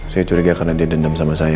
saya curiga karena dia dendam sama saya